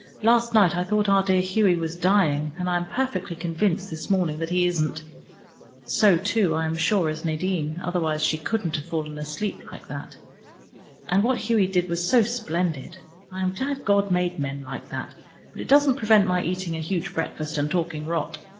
Last night I thought our dear Hughie was dying, and I am perfectly convinced this morning that he isn't. So, too, I am sure, is Nadine: otherwise she couldn't have fallen asleep like that. And what Hughie did was so splendid. I am glad God made men like that, but it doesn't prevent my eating a huge breakfast and talking rot.